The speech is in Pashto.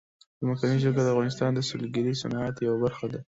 ځمکنی شکل د افغانستان د سیلګرۍ د صنعت یوه برخه ده.